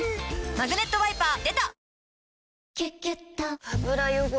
「マグネットワイパー」出た！